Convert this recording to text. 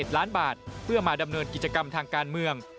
๑ล้านบาทเพื่อมาดำเนินกิจกรรมทางการเมือง